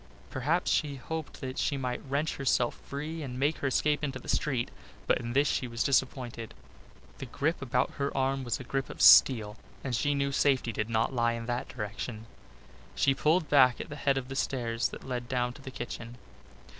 Perhaps she hoped that she might wrench herself free and make her escape into the street, but in this she was disappointed. The grip about her arm was a grip of steel and she knew safety did not lie in that direction. She pulled back at the head of the stairs that led down to the kitchen.